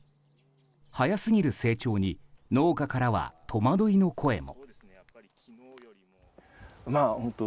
早すぎる成長に農家からは戸惑いの声が。